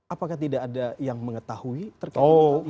apakah tidak ada yang mengetahui terkait dengan hal ini